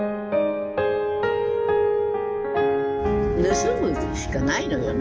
盗むしかないのよね